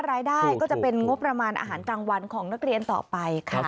รายได้ก็จะเป็นงบประมาณอาหารกลางวันของนักเรียนต่อไปค่ะ